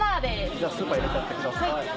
じゃあスーパー入れちゃってください。